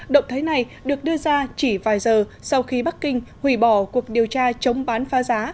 động thái này được đưa ra chỉ vài giờ sau khi bắc kinh hủy bỏ cuộc điều tra chống bán phá giá